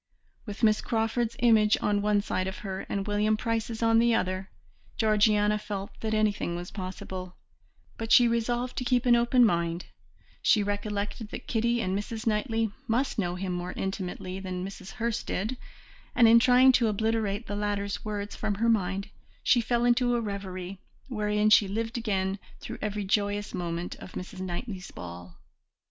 With Miss Crawford's image on one side of her, and William Price's on the other, Georgiana felt that anything was possible, but she resolved to keep an open mind; she recollected that Kitty and Mrs. Knightley must know him more intimately than Mrs. Hurst did, and in trying to obliterate the latter's words from her mind she fell into a reverie, wherein she lived again through every joyous moment of Mrs. Knightley's ball.